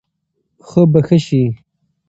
خوب به ښه شي.